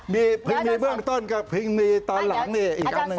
เพิ่งมีเบื้องต้นก็เพิ่งมีตอนหลังนี่อีกอันหนึ่ง